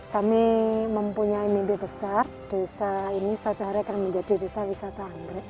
kami mempunyai mimpi besar desa ini suatu hari akan menjadi desa wisata anggrek